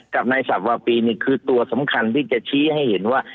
กับนายสับวาปีนี่คือตัวสำคัญที่จะชี้ให้เห็นว่า